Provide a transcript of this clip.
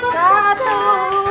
satu dua tiga